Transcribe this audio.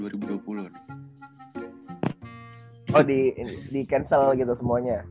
oh di cancel gitu semuanya